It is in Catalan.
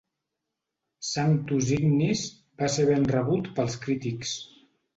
"Sanctus Ignis" va ser ben rebut pels crítics.